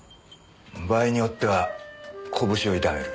場合によっては拳を痛める。